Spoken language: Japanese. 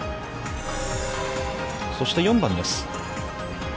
そして４番です。